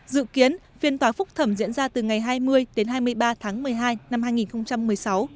dự kiến phiên tòa phúc thẩm diễn ra từ ngày hai mươi đến hai mươi ba tháng một mươi hai năm hai nghìn một mươi sáu